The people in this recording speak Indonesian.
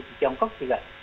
di tiongkok juga